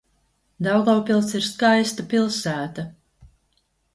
Daugavpils ir skaista pilsēta.